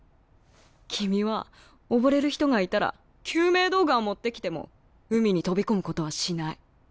君は溺れる人がいたら救命道具は持ってきても海に飛び込むことはしない。